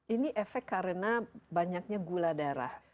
ini efek karena banyaknya gula darah